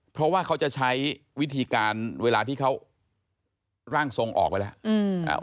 เพราะว่าเขาจะใช้วิธีการเวลาที่เขาร่างทรงออกไปแล้ว